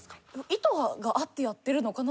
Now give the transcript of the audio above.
「意図があってやってるのかな？」